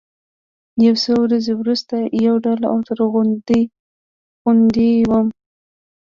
يو څو ورځې وروسته يو ډول اوتر غوندې وم.